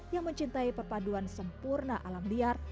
yang mencintai perpaduan sempurna alam liar